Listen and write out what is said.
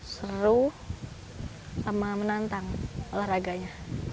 seru sama menantang olahraganya